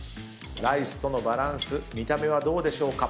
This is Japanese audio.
ライスとのバランス見た目はどうでしょうか？